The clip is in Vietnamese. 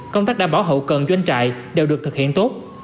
công tác đảm bảo hậu cần doanh trại đều được thực hiện tốt